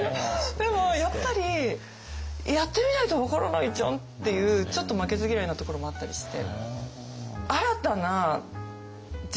でもやっぱりやってみないと分からないじゃんっていうちょっと負けず嫌いなところもあったりして。